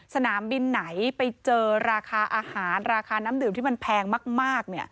สนามบินไหนไปเจอราคาอาหารราคาน้ำดื่มที่มันแพงมาก